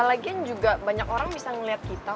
lagian juga banyak orang bisa melihat kita